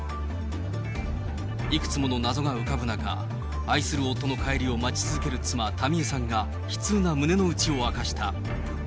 いくつもの謎が浮かぶ中、愛する夫の帰りを待ち続ける妻、民江さんが悲痛な胸の内を明かした。